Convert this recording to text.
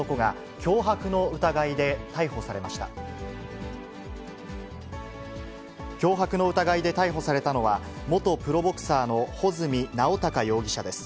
脅迫の疑いで逮捕されたのは、元プロボクサーの保住直孝容疑者です。